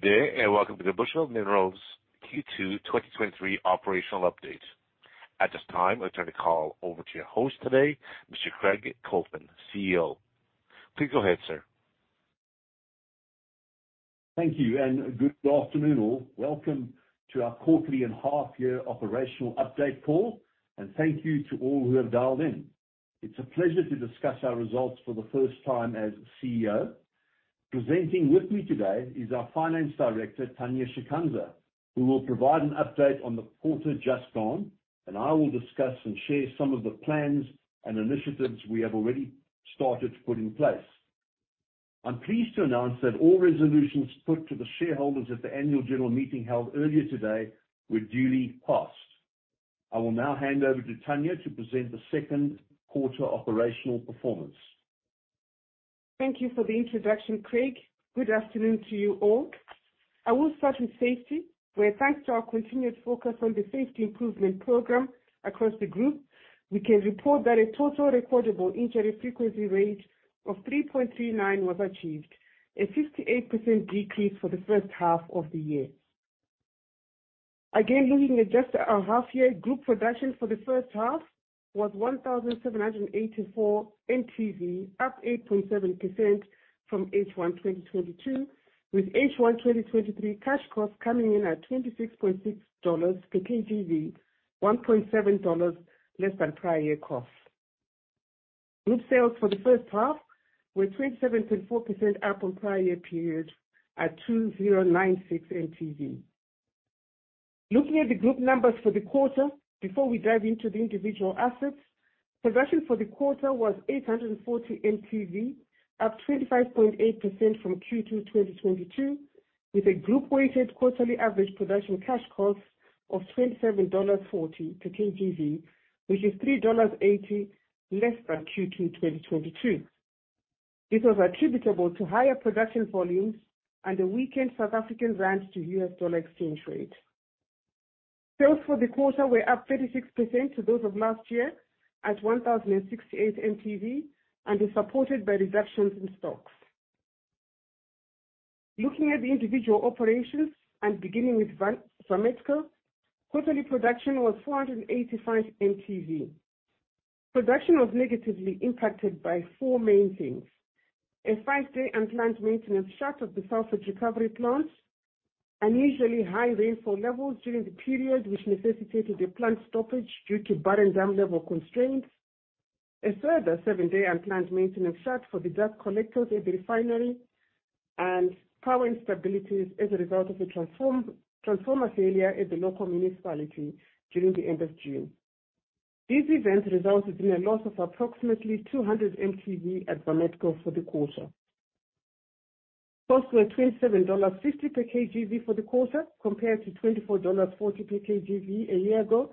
Good day, welcome to the Bushveld Minerals Q2 2023 operational update. At this time, I turn the call over to your host today, Mr. Craig Coltman, CEO. Please go ahead, sir. Thank you. Good afternoon, all. Welcome to our quarterly and half year operational update call, and thank you to all who have dialed in. It's a pleasure to discuss our results for the first time as CEO. Presenting with me today is our Finance Director, Tanya Chikanza, who will provide an update on the quarter just gone, and I will discuss and share some of the plans and initiatives we have already started to put in place. I'm pleased to announce that all resolutions put to the shareholders at the Annual General Meeting, held earlier today, were duly passed. I will now hand over to Tanya to present the second quarter operational performance. Thank you for the introduction, Craig. Good afternoon to you all. I will start with safety, where thanks to our continued focus on the safety improvement program across the group, we can report that a Total Recordable Injury Frequency Rate of 3.39 was achieved, a 58% decrease for the H1 of the year. Looking at just our half year, group production for the H1 was 1,784 mtV, up 8.7% from H1 2022, with H1 2023 cash costs coming in at $26.6 per kgV, $1.7 less than prior year costs. Group sales for the H1 were 27.4% up on prior year period at 2,096 mtV. Looking at the group numbers for the quarter before we dive into the individual assets, production for the quarter was 840 mtV, up 25.8% from Q2 2022, with a group weighted quarterly average production cash cost of $27.40 per kgV, which is $3.80 less than Q2 2022. This was attributable to higher production volumes and a weakened South African rand to U.S. dollar exchange rate. Sales for the quarter were up 36% to those of last year, at 1,068 mtV, is supported by reductions in stocks. Looking at the individual operations and beginning with Vametco, quarterly production was 485 mtV Production was negatively impacted by four main things: a five-day unplanned maintenance shut of the sulfate recovery plant; unusually high rainfall levels during the period, which necessitated a plant stoppage due to barren dam level constraints; a further seven-day unplanned maintenance shut for the dust collectors at the refinery; and power instabilities as a result of a transformer failure at the local municipality during the end of June. These events resulted in a loss of approximately 200 mtVat Vametco for the quarter. Costs were $27.50 per kgV for the quarter, compared to $24.40 per kgV a year ago,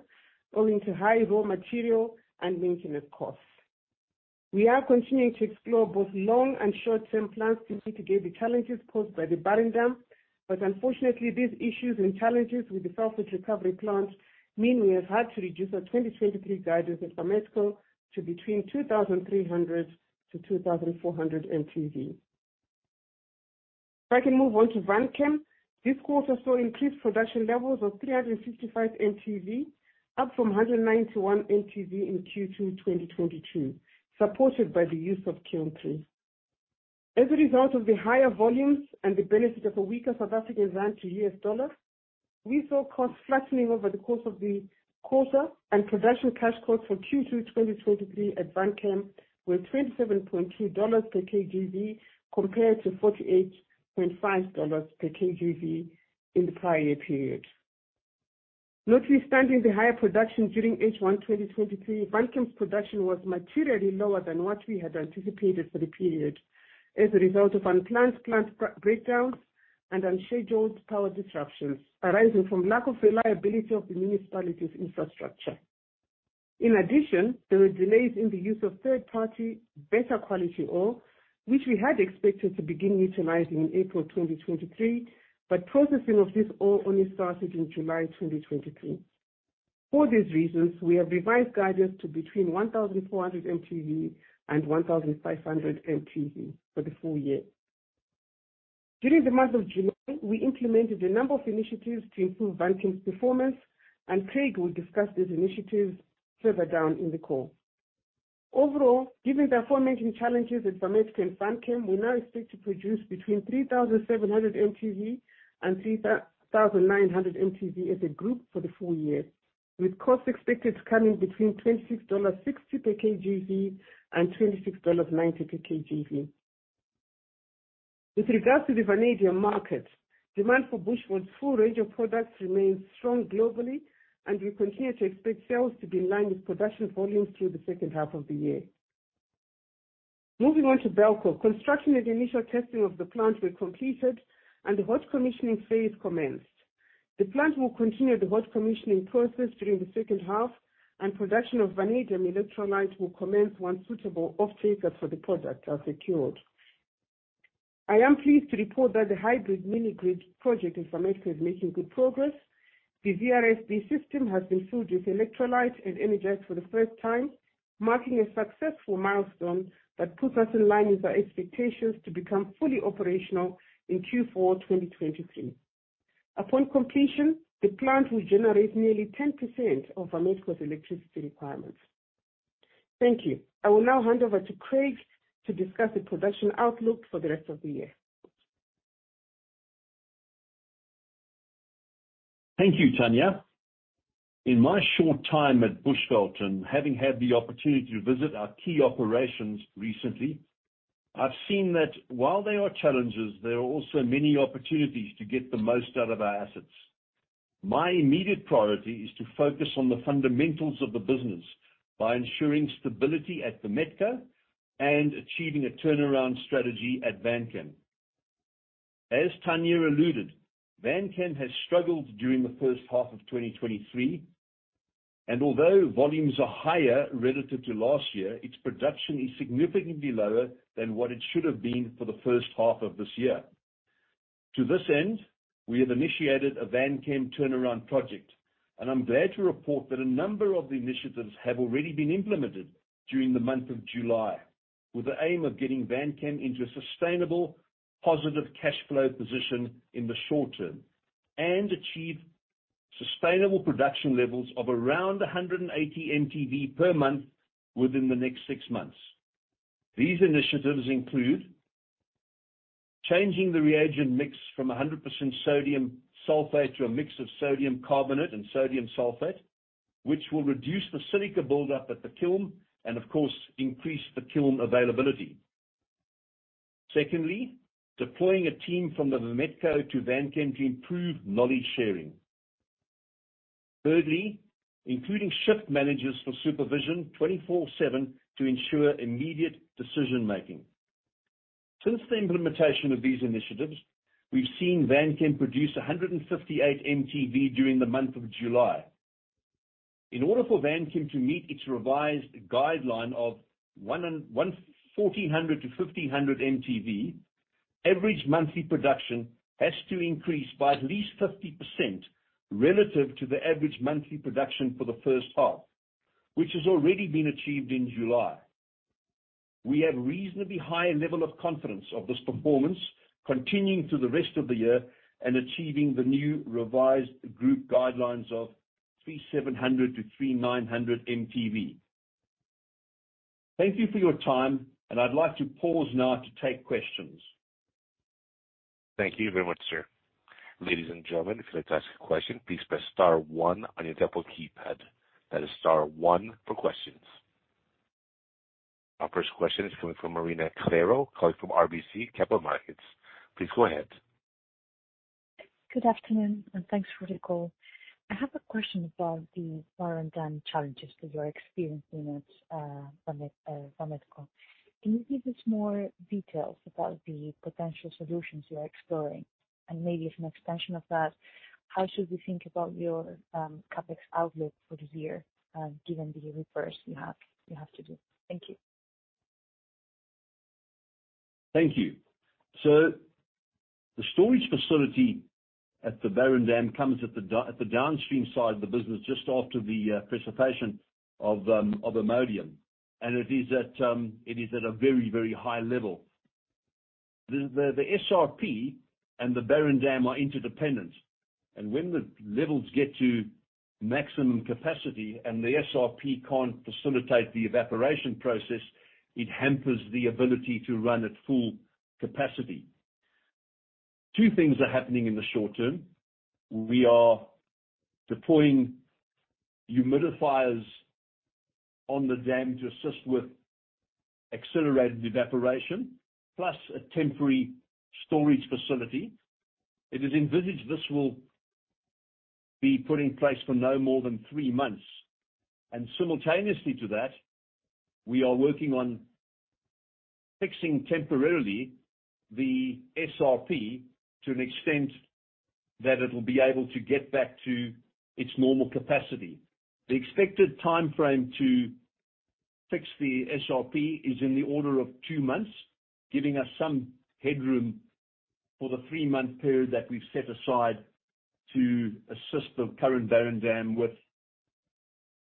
owing to high raw material and maintenance costs. We are continuing to explore both long and short-term plans to mitigate the challenges caused by the barren dam, unfortunately, these issues and challenges with the sulfate recovery plant mean we have had to reduce our 2023 guidance at Vametco to between 2,300-2,400mtV. If can move on to Vanchem. This quarter saw increased production levels of 355mtV, up from 191 mtV in Q2 2022, supported by the use of Q3. As a result of the higher volumes and the benefit of a weaker South African rand to U.S. dollar, we saw costs flattening over the course of the quarter, and production cash costs for Q2 2023 at Vanchem were $27.2 per kgV, compared to $48.5 per kgV in the prior year period. Notwithstanding the higher production during H1 2023, Vanchem's production was materially lower than what we had anticipated for the period, as a result of unplanned plant breakdowns and unscheduled power disruptions arising from lack of reliability of the municipality's infrastructure. In addition, there were delays in the use of third-party better quality oil, which we had expected to begin utilizing in April 2023, but processing of this oil only started in July 2023. For these reasons, we have revised guidance to between 1,400mtV and 1,500 mtVfor the full year. During the month of July, we implemented a number of initiatives to improve Vanchem's performance, and Craig will discuss these initiatives further down in the call. Overall, given the aforementioned challenges at Vametco and Vanchem, we now expect to produce between 3,700 mtV and 3,900 mtV as a group for the full year, with costs expected to come in between $26.60 per kgV and $26.90 per kgV. With regards to the vanadium market, demand for Bushveld's full range of products remains strong globally, and we continue to expect sales to be in line with production volumes through the H2 of the year. Moving on to BELCO. Construction and initial testing of the plant were completed, and the hot commissioning phase commenced. The plant will continue the hot commissioning process during the H2, and production of vanadium electrolyte will commence once suitable off-takers for the product are secured. I am pleased to report that the hybrid mini-grid project in Vametco is making good progress. The VRFB system has been filled with electrolytes and energized for the first time, marking a successful milestone that puts us in line with our expectations to become fully operational in Q4 2023. Upon completion, the plant will generate nearly 10% of Vametco's electricity requirements. Thank you. I will now hand over to Craig to discuss the production outlook for the rest of the year. Thank you, Tanya. In my short time at Bushveld, and having had the opportunity to visit our key operations recently, I've seen that while there are challenges, there are also many opportunities to get the most out of our assets. My immediate priority is to focus on the fundamentals of the business by ensuring stability at Vametco and achieving a turnaround strategy at Vanchem. As Tanya alluded, Vanchem has struggled during the H1 of 2023, and although volumes are higher relative to last year, its production is significantly lower than what it should have been for the H1 of this year. To this end, we have initiated a Vanchem turnaround project, and I'm glad to report that a number of the initiatives have already been implemented during the month of July, with the aim of getting Vanchem into a sustainable, positive cash flow position in the short term and achieve sustainable production levels of around 180 MTV per month within the next 6 months. These initiatives include changing the reagent mix from 100% sodium sulfate to a mix of sodium carbonate and sodium sulfate, which will reduce the silica buildup at the kiln and, of course, increase the kiln availability. Secondly, deploying a team from the Vametco to Vanchem to improve knowledge sharing. Thirdly, including shift managers for supervision 24/7 to ensure immediate decision-making. Since the implementation of these initiatives, we've seen Vanchem produce 158 MTV during the month of July. In order for Vanchem to meet its revised guideline of 1,400-1,500 MTV, average monthly production has to increase by at least 50% relative to the average monthly production for the H1, which has already been achieved in July. We have reasonably high level of confidence of this performance continuing through the rest of the year and achieving the new revised group guidelines of 3,700-3,900 MTV. Thank you for your time, and I'd like to pause now to take questions. Thank you very much, sir. Ladies and gentlemen, if you'd like to ask a question, please press star one on your telephone keypad. That is star one for questions. Our first question is coming from Marina Calero, calling from RBC Capital Markets. Please go ahead. Good afternoon, thanks for the call. I have a question about the barren dam challenges that you are experiencing at Vametco. Can you give us more details about the potential solutions you are exploring? Maybe as an extension of that, how should we think about your CapEx outlook for this year, given the reverse you have, you have to do? Thank you. Thank you. The storage facility at the barren dam comes at the downstream side of the business, just after the precipitation of ammonium. It is at a very, very high level. The SRP and the barren dam are interdependent. When the levels get to maximum capacity and the SRP can't facilitate the evaporation process, it hampers the ability to run at full capacity. Two things are happening in the short term. We are deploying humidifiers on the dam to assist with accelerated evaporation, plus a temporary storage facility. It is envisaged this will be put in place for no more than three months. Simultaneously to that, we are working on fixing temporarily the SRP to an extent that it will be able to get back to its normal capacity. The expected timeframe to fix the SRP is in the order of two months, giving us some headroom for the three-month period that we've set aside to assist the current barren dam with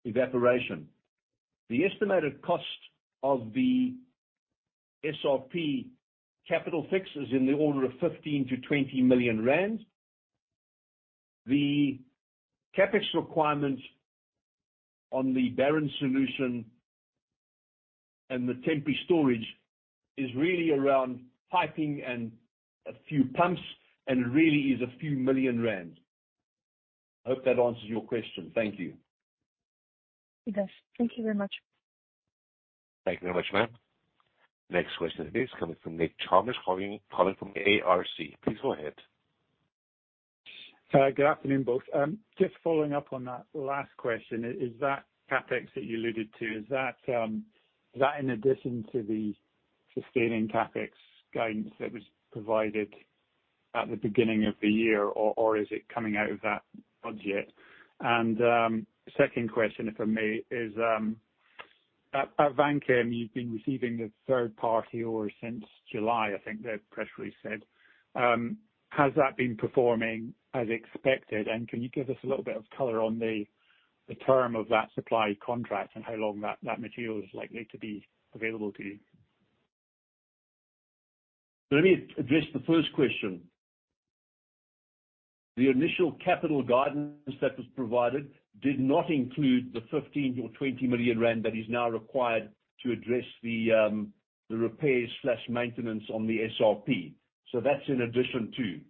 evaporation. The estimated cost of the SRP capital fix is in the order of 15 million-20 million rand. The CapEx requirements on the barren solution and the temporary storage is really around piping and a few pumps, and it really is a few million rand. I hope that answers your question. Thank you. It does. Thank you very much. Thank you very much, ma'am. Next question is coming from Nick Chalmers, calling, calling from ARC. Please go ahead. Good afternoon, both. Just following up on that last question, is that CapEx that you alluded to, is that in addition to the sustaining CapEx guidance that was provided at the beginning of the year, or is it coming out of that budget? Second question from me is: At Vanchem, you've been receiving the third party ore since July, I think the press release said. Has that been performing as expected? Can you give us a little bit of color on the term of that supply contract and how long that material is likely to be available to you? Let me address the first question. The initial capital guidance that was provided did not include the 15 million-20 million rand that is now required to address the repairs/maintenance on the SRP. That's in addition, too.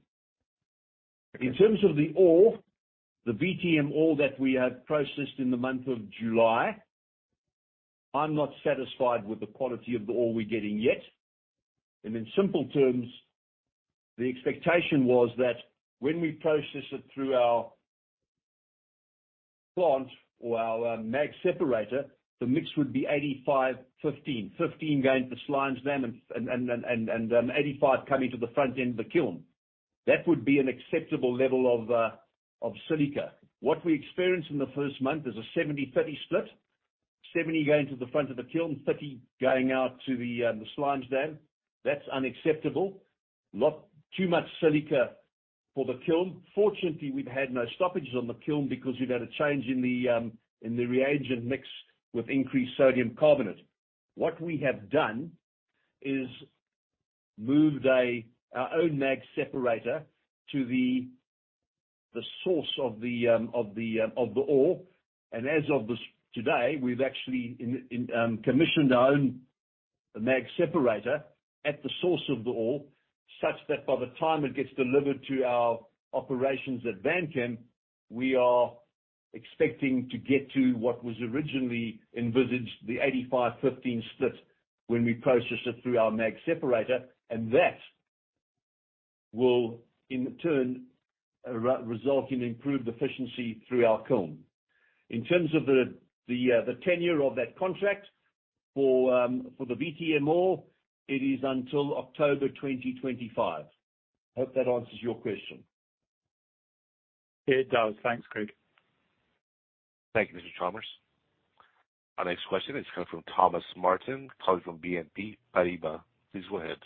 In terms of the ore, the VTM ore that we have processed in the month of July, I'm not satisfied with the quality of the ore we're getting yet. In simple terms, the expectation was that when we process it through our plant or our mag separator, the mix would be 85, 15. 15 going to the slimes dam and 85 coming to the front end of the kiln. That would be an acceptable level of silica. What we experienced in the first month is a 70/30 split. 70 going to the front of the kiln, 30 going out to the, the slimes dam. That's unacceptable. Lot too much silica for the kiln. Fortunately, we've had no stoppages on the kiln because we've had a change in the, in the reagent mix with increased sodium carbonate. What we have done is moved our own mag separator to the, the source of the, of the, of the ore. As of this today, we've actually commissioned our own mag separator at the source of the ore, such that by the time it gets delivered to our operations at Vanchem, we are expecting to get to what was originally envisaged, the 85split, 15 split, when we process it through our mag separator. That will, in turn, re-result in improved efficiency through our kiln. In terms of the, the, the tenure of that contract, for, for the VTM ore, it is until October 2025. Hope that answers your question. It does. Thanks, Craig. Thank you, Mr. Chalmers. Our next question is coming from Thomas Martin calling from BNP Paribas. Please go ahead.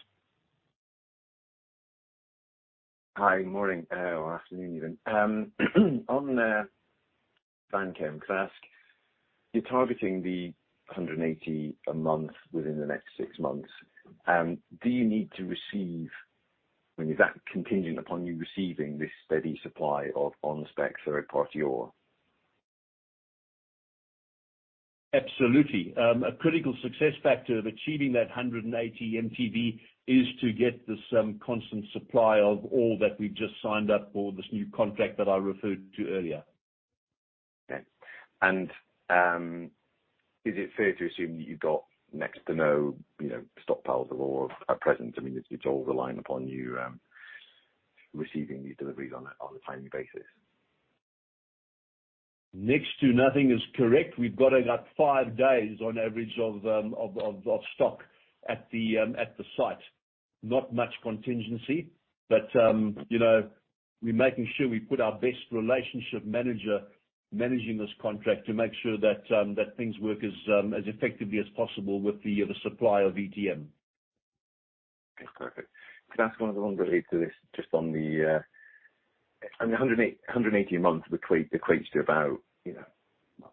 Hi. Morning, or afternoon, even. On, Vanchem, can I ask, you're targeting the 180 a month within the next 6 months. Do you need to receive-- I mean, is that contingent upon you receiving this steady supply of on-spec third-party ore? Absolutely. A critical success factor of achieving that 180 MTB is to get this, constant supply of ore that we've just signed up for this new contract that I referred to earlier. Okay. Is it fair to assume that you've got next to no, you know, stockpiles of ore at present? I mean, it's, it's all relying upon you, receiving these deliveries on a, on a timely basis. Next to nothing is correct. We've got about five days on average of stock at the site. Not much contingency, but, you know, we're making sure we put our best relationship manager managing this contract to make sure that things work as effectively as possible with the supplier of VTM. Okay, perfect. Can I ask 1 other one related to this, just on the... I mean, 180 a month equates to about, you know,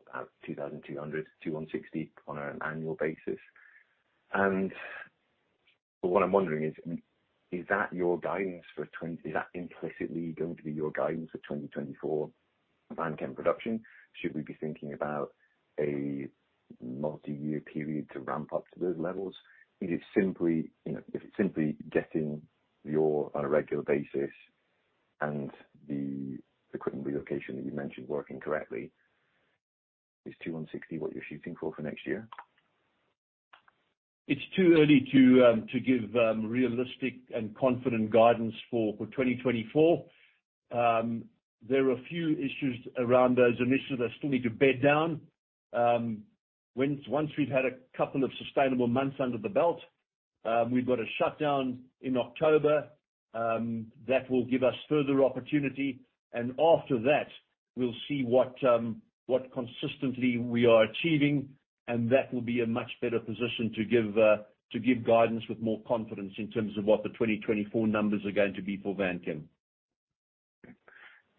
2,160 on an annual basis. What I'm wondering is, is that implicitly going to be your guidance for 2024 Vanchem production? Should we be thinking about a multi-year period to ramp up to those levels? Is it simply, you know, if it's simply getting the ore on a regular basis and the equipment relocation that you mentioned working correctly, is 2,160 what you're shooting for, for next year? It's too early to to give realistic and confident guidance for 2024. There are a few issues around those initiatives that still need to bed down. Once, once we've had a couple of sustainable months under the belt, we've got a shutdown in October that will give us further opportunity. After that, we'll see what what consistently we are achieving, and that will be a much better position to give to give guidance with more confidence in terms of what the 2024 numbers are going to be for Vanchem.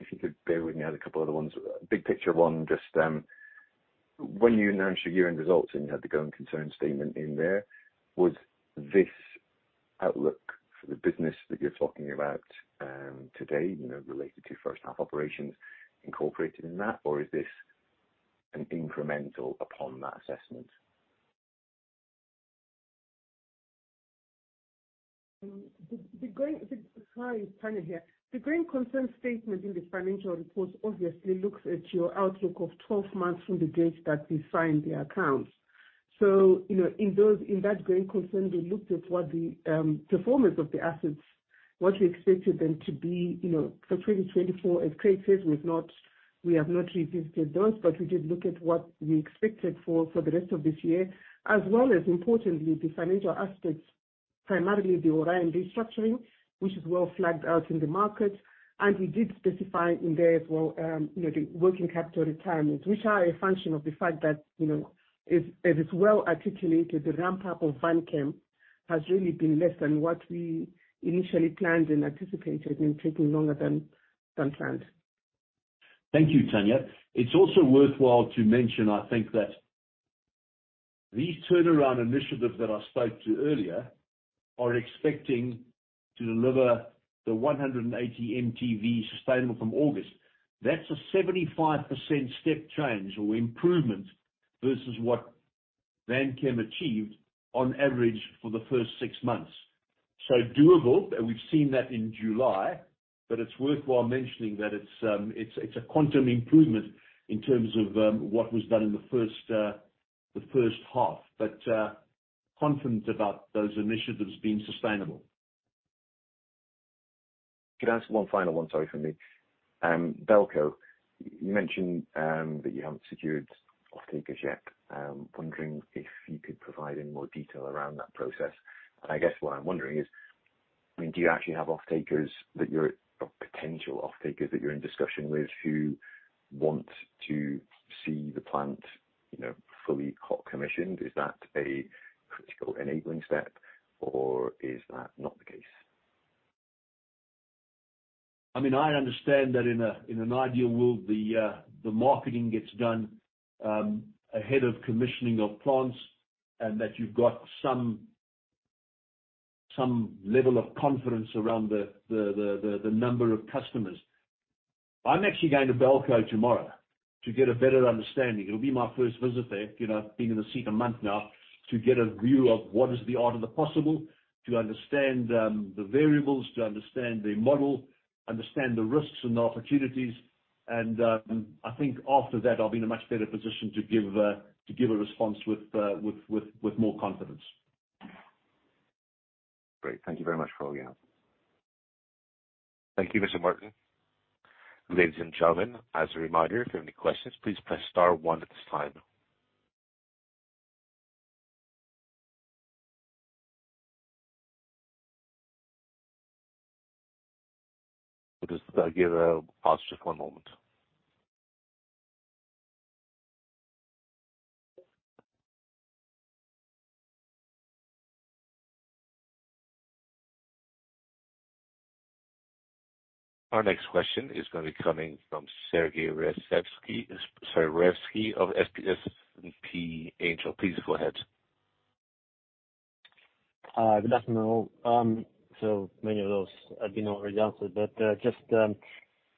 If you could bear with me, I have a couple other ones. Big picture one, just, when you announced your year-end results and you had the going concern statement in there, was this outlook for the business that you're talking about, today, you know, related to H1 operations, incorporated in that, or is this an incremental upon that assessment? Hi, Tanya here. The going concern statement in the financial report obviously looks at your outlook of 12 months from the date that we signed the accounts. You know, in those, in that going concern, we looked at what the performance of the assets, what we expected them to be, you know, for 2024 as stated, we have not revisited those, but we did look at what we expected for, for the rest of this year, as well as importantly, the financial aspects... primarily the Orion restructuring, which is well flagged out in the market, and we did specify in there as well, you know, the working capital retirement, which are a function of the fact that, you know, it, it is well articulated, the ramp-up of Vanchem has really been less than what we initially planned and anticipated, and taking longer than, than planned. Thank you, Tanya. It's also worthwhile to mention, I think, that these turnaround initiatives that I spoke to earlier are expecting to deliver the 180 MTV sustainable from August. That's a 75% step change or improvement versus what Vanchem achieved on average for the first six months. Doable, and we've seen that in July, it's worthwhile mentioning that it's a quantum improvement in terms of what was done in the H1. Confident about those initiatives being sustainable. Could I ask one final one, sorry, for me? BELCO, you mentioned that you haven't secured offtakers yet. Wondering if you could provide any more detail around that process. I guess what I'm wondering is, I mean, do you actually have offtakers or potential offtakers that you're in discussion with, who want to see the plant, you know, fully co-commissioned? Is that a critical enabling step, or is that not the case? I mean, I understand that in a, in an ideal world, the, the marketing gets done, ahead of commissioning of plants, and that you've got some, some level of confidence around the, the, the, the, the number of customers. I'm actually going to BELCO tomorrow to get a better understanding. It'll be my first visit there, you know, being in the seat a month now, to get a view of what is the art of the possible, to understand, the variables, to understand the model, understand the risks and the opportunities. I think after that, I'll be in a much better position to give, to give a response with, with, with, with more confidence. Great. Thank you very much for all the help. Thank you, Mr. Martin. Ladies and gentlemen, as a reminder, if you have any questions, please press star one at this time. Just give it pause just one moment. Our next question is going to be coming from Sergei Raevskiy, of SP Angel. Please go ahead. Good afternoon. Many of those have been already answered, but just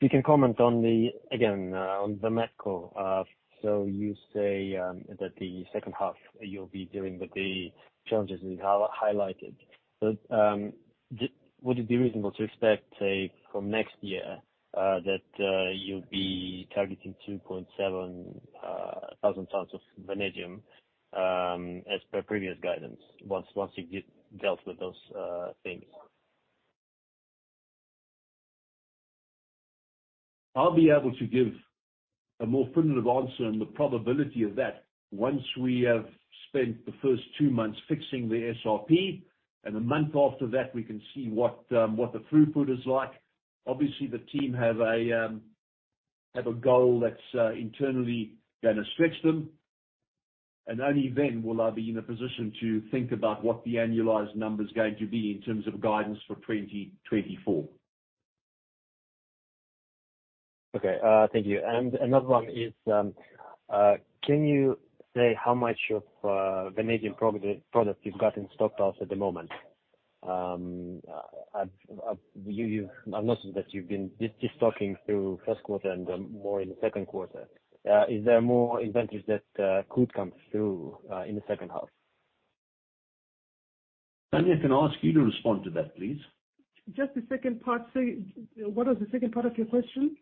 you can comment on the, again, on the Vametco. You say that the H2 you'll be dealing with the challenges you highlighted. Would it be reasonable to expect, say, from next year, that you'll be targeting 2,700 tons of vanadium as per previous guidance, once, once you get dealt with those things? I'll be able to give a more definitive answer on the probability of that once we have spent the first two months fixing the SRP, and a month after that, we can see what the throughput is like. Obviously, the team have a goal that's internally going to stretch them, and only then will I be in a position to think about what the annualized number is going to be in terms of guidance for 2024. Okay, thank you. Another one is, can you say how much of vanadium product you've got in stockhouse at the moment? I've, you, you've, I've noticed that you've been distocking through Q1 and more in the second quarter. Is there more inventory that could come through in the H2? Tanya, can I ask you to respond to that, please? Just the second part, Sergei. What was the second part of your question?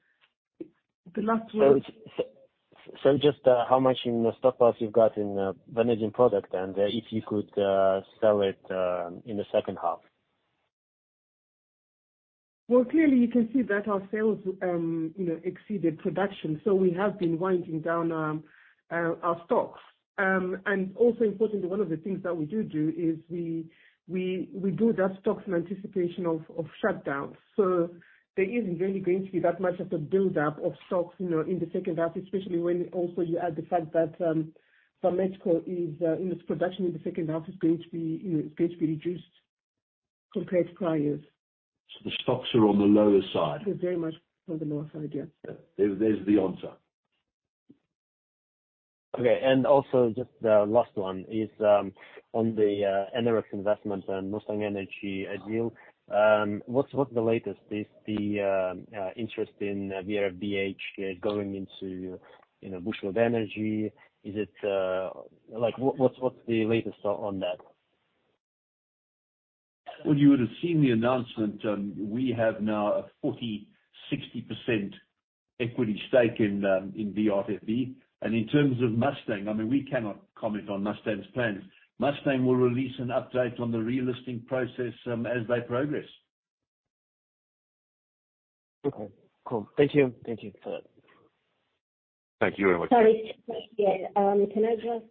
The last one. Just how much in the stockhouse you've got in vanadium product, and if you could sell it in the H2? Well, clearly you can see that our sales, you know, exceeded production, so we have been winding down our stocks. Also importantly, one of the things that we do do is we, we, we do that stocks in anticipation of, of shutdowns. So there isn't really going to be that much of a buildup of stocks, you know, in the H2, especially when also you add the fact that Vametco is in its production in the H2, is going to be, you know, is going to be reduced compared to prior years. The stocks are on the lower side? They're very much on the lower side, yes. There, there is the answer. Okay, also, just the last one is, on the NRX investment and Mustang Energy deal. What's, what's the latest? Is the interest in VRFB going into, you know, Bushveld energy? Like, what, what's, what's the latest on, on that? Well, you would have seen the announcement. We have now a 40%/60% equity stake in VRFB. In terms of Mustang, I mean, we cannot comment on Mustang's plans. Mustang will release an update on the relisting process as they progress. Okay, cool. Thank you. Thank you for that. Thank you very much. Sorry, yeah, can I just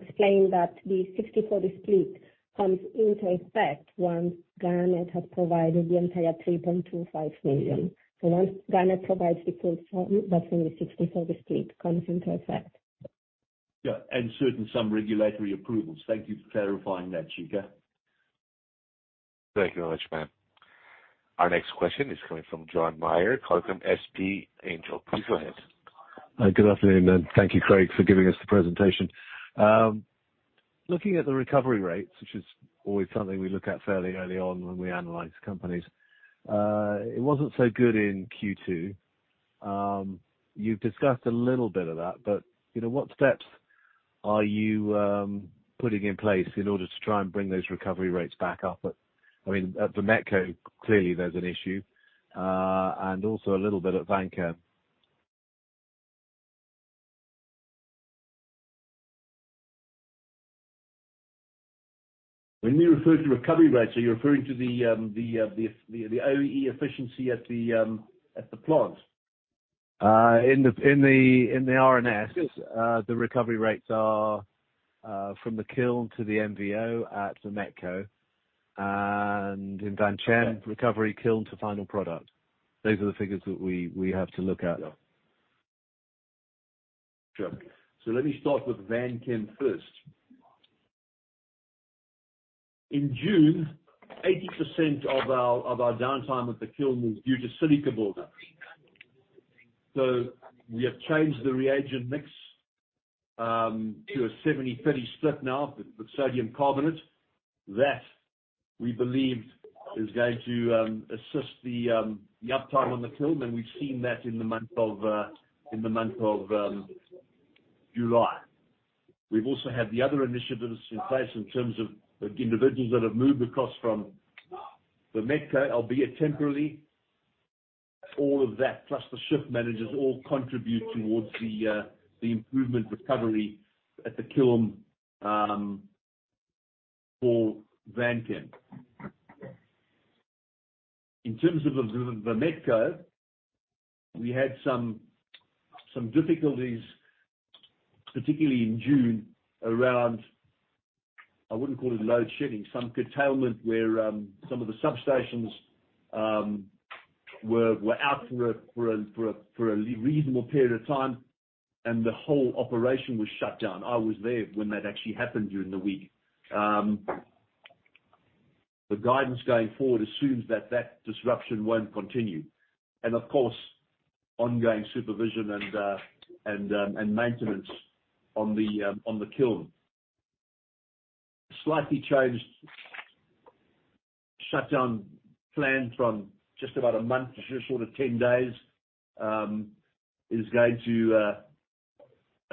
explain that the 60/40 split comes into effect once Garnet has provided the entire $3.25 million. Once Garnet provides the full sum, that's when the 60/40 split comes into effect. Yeah, and certain some regulatory approvals. Thank you for clarifying that, Chika. Thank you very much, ma'am. Our next question is coming from John Meyer, coming from SP Angel. Please go ahead. Good afternoon, and thank you, Craig, for giving us the presentation. Looking at the recovery rates, which is always something we look at fairly early on when we analyze companies, it wasn't so good in Q2. You've discussed a little bit of that, but, you know, what steps are you putting in place in order to try and bring those recovery rates back up? I mean, at Vametco, clearly, there's an issue, and also a little bit at Vanchem. When you refer to recovery rates, are you referring to the, the, the, the OE efficiency at the, at the plant? In the RNS. Yes. The recovery rates are from the kiln to the MVO at Vametco, and in Vanchem, recovery kiln to final product. Those are the figures that we, we have to look at. Yeah. Sure. Let me start with Vanchem first. In June, 80% of our downtime at the kiln was due to silica buildup. We have changed the reagent mix to a 70/30 split now with sodium carbonate. That, we believe, is going to assist the uptime on the kiln, and we've seen that in the month of July. We've also had the other initiatives in place in terms of individuals that have moved across from Vametco, albeit temporarily. All of that, plus the shift managers, all contribute towards the improvement recovery at the kiln for Vanchem. In terms of Vametco, we had some difficulties, particularly in June, around... I wouldn't call it load shedding, some curtailment, where, some of the substations, were out for a reasonable period of time, and the whole operation was shut down. I was there when that actually happened during the week. The guidance going forward assumes that that disruption won't continue, and of course, ongoing supervision and maintenance on the kiln. Slightly changed shutdown plan from just about a month to sort of 10 days, is going to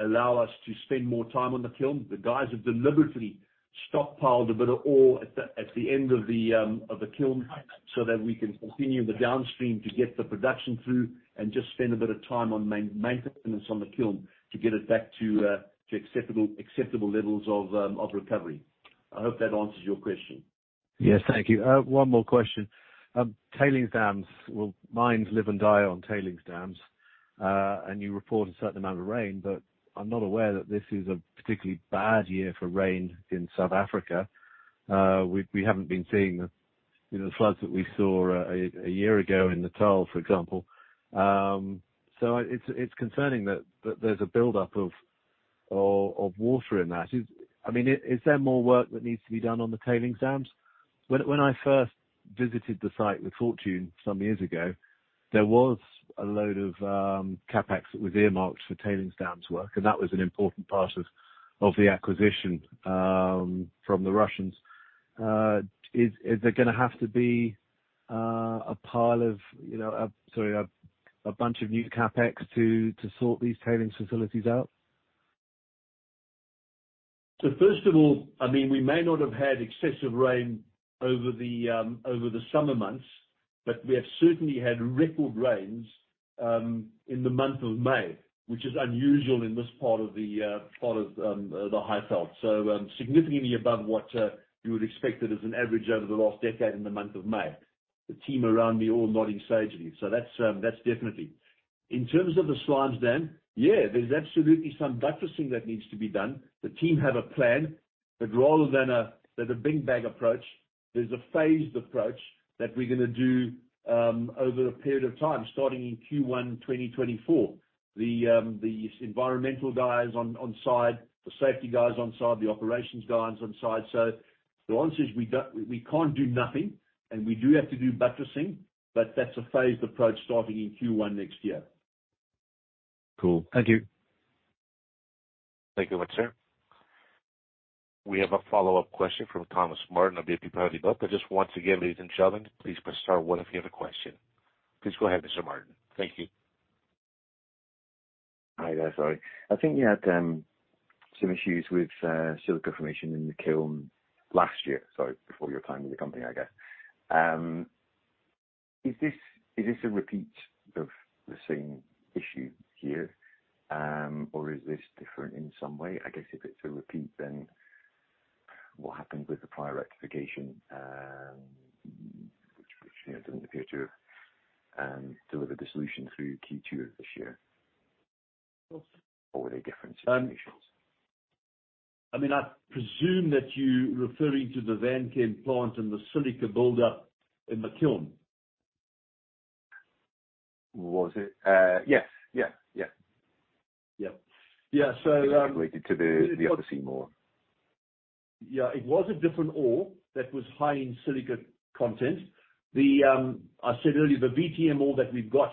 allow us to spend more time on the kiln. The guys have deliberately stockpiled a bit of ore at the, at the end of the, of the kiln, so that we can continue the downstream to get the production through and just spend a bit of time on maintenance on the kiln to get it back to, to acceptable, acceptable levels of, of recovery. I hope that answers your question. Yes. Thank you. one more question. tailings dams. Well, mines live and die on tailings dams. You report a certain amount of rain, but I'm not aware that this is a particularly bad year for rain in South Africa. We, we haven't been seeing the, you know, the floods that we saw a year ago in Natal, for example. It's, it's concerning that, that there's a buildup of, of, of water in that. I mean, is there more work that needs to be done on the tailings dams? When, when I first visited the site with Fortune some years ago, there was a load of CapEx that was earmarked for tailings dams work, and that was an important part of the acquisition from the Russians. Is, is there gonna have to be a pile of, you know, Sorry, a, a bunch of new CapEx to, to sort these tailings facilities out? First of all, I mean, we may not have had excessive rain over the summer months, but we have certainly had record rains in the month of May, which is unusual in this part of the part of the Highveld. Significantly above what you would expect as an average over the last decade in the month of May. The team around me all nodding sagely. That's that's definitely. In terms of the slime dam, yeah, there's absolutely some buttressing that needs to be done. The team have a plan, but rather than a than a big bag approach, there's a phased approach that we're gonna do over a period of time, starting in Q1 2024. The the environmental guys on on side, the safety guys on side, the operations guys on side. The answer is, we can't do nothing, and we do have to do buttressing, but that's a phased approach starting in Q1 next year. Cool. Thank you. Thank you much, sir. We have a follow-up question from Thomas Martin of BNP Paribas. Just once again, ladies and gentlemen, please press star one if you have a question. Please go ahead, Mr. Martin. Thank you. Hi there, sorry. I think you had some issues with silica formation in the kiln last year, sorry, before your time with the company, I guess. Is this, is this a repeat of the same issue here, or is this different in some way? I guess if it's a repeat, then- ...What happened with the prior rectification, which, which, you know, doesn't appear to have, delivered the solution through Q2 of this year? What were the different situations? I mean, I presume that you're referring to the Vanchem plant and the silica buildup in the kiln. Was it? Yes. Yeah, yeah. Yeah. Yeah, so. Related to the, the other Seymour. Yeah, it was a different ore that was high in silica content. The, I said earlier, the VTM ore that we've got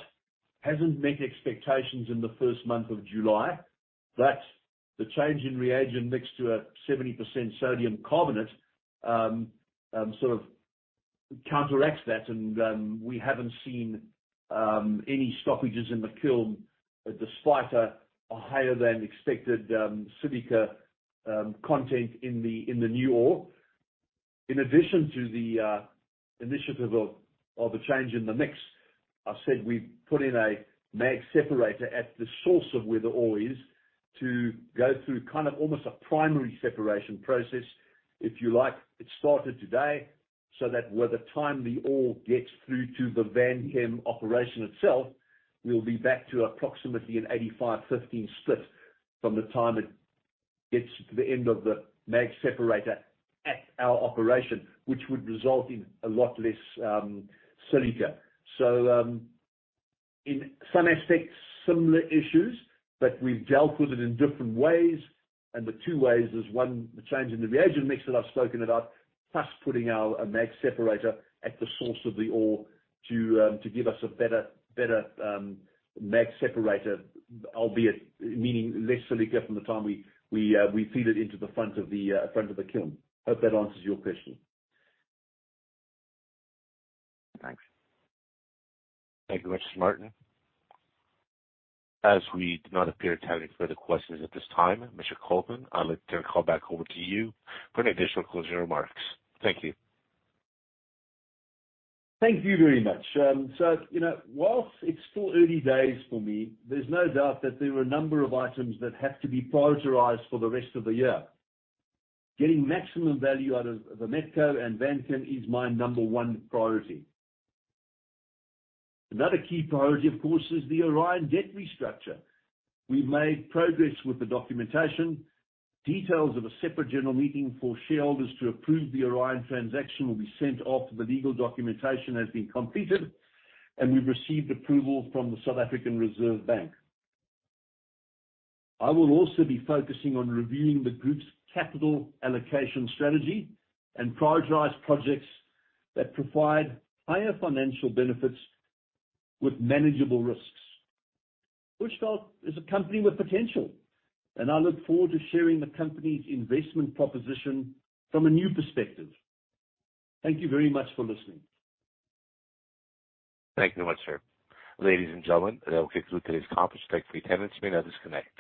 hasn't met expectations in the first month of July, but the change in reagent mixed to a 70% sodium carbonate, sort of counteracts that. We haven't seen any stoppages in the kiln, despite a higher-than-expected silica content in the new ore. In addition to the initiative of a change in the mix, I said we've put in a mag separator at the source of where the ore is, to go through kind of almost a primary separation process. If you like, it started today, so that by the time the ore gets through to the Vanchem operation itself, we'll be back to approximately an 85/15 split from the time it gets to the end of the mag separator at our operation, which would result in a lot less silica. In some aspects, similar issues, but we've dealt with it in different ways. The two ways is, one, the change in the reagent mix that I've spoken about, plus putting out a mag separator at the source of the ore to give us a better, better, mag separator, albeit meaning less silica from the time we, we, we feed it into the front of the, front of the kiln. Hope that answers your question. Thanks. Thank you very much, Martin. As we do not appear to have any further questions at this time, Mr. Coltman, I'd like to turn the call back over to you for any additional closing remarks. Thank you. Thank you very much. You know, whilst it's still early days for me, there's no doubt that there are a number of items that have to be prioritized for the rest of the year. Getting maximum value out of Vametco and Vanchem is my number one priority. Another key priority, of course, is the Orion debt restructure. We've made progress with the documentation. Details of a separate general meeting for shareholders to approve the Orion transaction will be sent off, the legal documentation has been completed, and we've received approval from the South African Reserve Bank. I will also be focusing on reviewing the group's capital allocation strategy and prioritize projects that provide higher financial benefits with manageable risks. Bushveld is a company with potential, I look forward to sharing the company's investment proposition from a new perspective. Thank you very much for listening. Thank you very much, sir. Ladies and gentlemen, that will conclude today's conference. Thank you for your attendance. You may now disconnect.